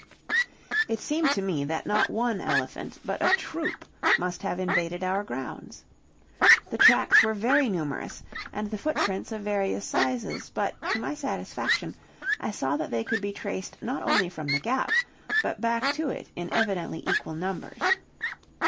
It seemed to me that not one elephant, but a troop must have invaded our grounds. The tracks were very numerous, and the footprints of various sizes; but, to my satisfaction, I saw that they could be traced not only from the Gap, but back to it in evidently equal numbers.